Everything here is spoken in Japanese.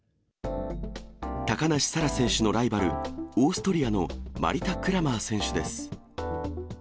高梨沙羅選手のライバル、オーストリアのマリタ・クラマー選手です。